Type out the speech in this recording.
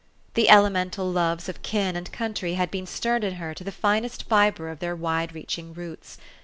The elemental loves of kin and country had been stirred in her to the finest fibre of their wide reaching roots.